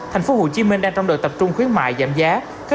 thành phố hồ chí minh đang trong đợt tập trung khuyến mại giảm giá